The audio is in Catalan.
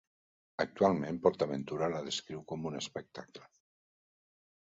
Actualment PortAventura la descriu com un espectacle.